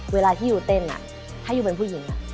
เวลาที่ยูเต้นถ้ายูเป็นผู้หญิง